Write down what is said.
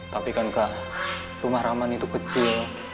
tapi kan kak rumah rahman itu kecil